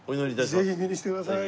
ぜひ見に来てください。